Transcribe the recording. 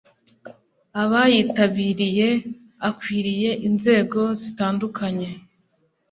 Abayitabiriye akwiriye inzego zitandukanye